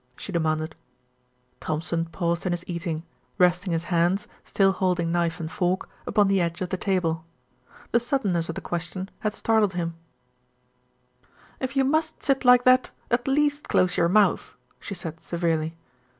she demanded. Thompson paused in his eating, resting his hands, still holding knife and fork, upon the edge of the table. The suddenness of the question had startled him. "If you must sit like that, at least close your mouth," she said severely.